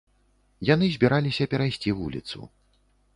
Яны збіраліся перайсці вуліцу.